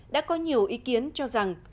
đã có nhiều ý kiến cho rằng